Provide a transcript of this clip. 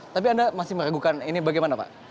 tapi anda masih meragukan ini bagaimana pak